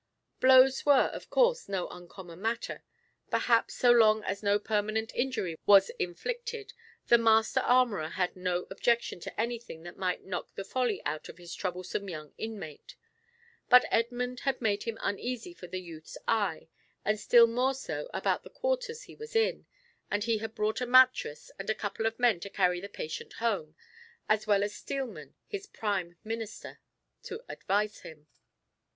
Blows were, of course, no uncommon matter; perhaps so long as no permanent injury was inflicted, the master armourer had no objection to anything that might knock the folly out of his troublesome young inmate; but Edmund had made him uneasy for the youth's eye, and still more so about the quarters he was in, and he had brought a mattress and a couple of men to carry the patient home, as well as Steelman, his prime minister, to advise him.